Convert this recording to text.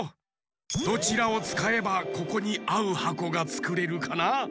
どちらをつかえばここにあうはこがつくれるかな？